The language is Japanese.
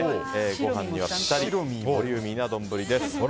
ご飯にはぴったりなボリューミーな丼です。